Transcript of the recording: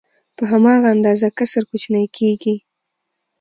په هماغه اندازه کسر کوچنی کېږي